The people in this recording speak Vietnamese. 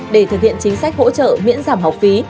để thực hiện chính sách hỗ trợ miễn giảm học phí